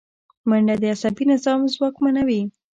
منډه د عصبي نظام ځواکمنوي